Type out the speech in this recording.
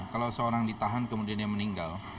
kalau seorang ditahan kemudian dia meninggal